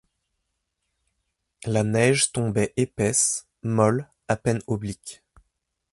La neige tombait épaisse, molle, à peine oblique.